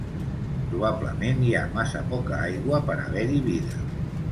Probablement hi ha massa poca aigua per haver-hi vida.